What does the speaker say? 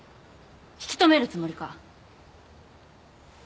引き留めるつもりか？